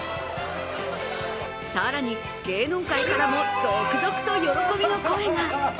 更に芸能界からも続々と喜びの声が。